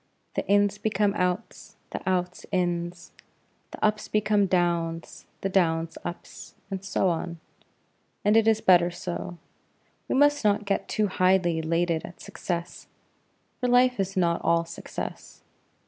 The ins become outs, the outs ins; the ups become downs, the downs ups; and so on and it is better so. We must not get too highly elated at success, for life is not all success.